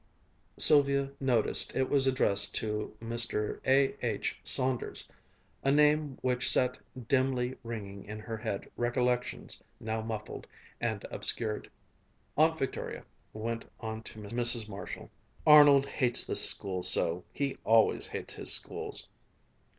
Sylvia noticed it was addressed to Mr. A.H. Saunders, a name which set dimly ringing in her head recollections now muffled and obscured. Aunt Victoria went on to Mrs. Marshall: "Arnold hates this school so. He always hates his schools."